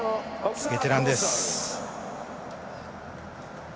ベテランです。